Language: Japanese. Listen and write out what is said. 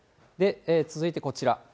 続いてこちら。